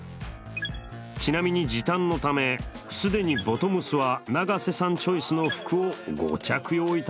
ちなみに時短のため既にボトムスは永瀬さんチョイスの服をご着用いただいてます。